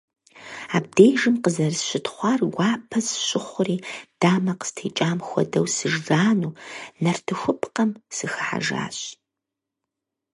Абдежым къызэрысщытхъуар гуапэ сщыхъури, дамэ къыстекӀам хуэдэу, сыжану, нартыхупкъэм сыхыхьэжащ.